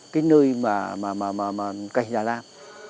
cái nơi mà cành ra làm